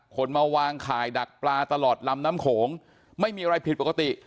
คนมาวางข่ายดักปลาตลอดลำน้ำโขงไม่มีอะไรผิดปกติ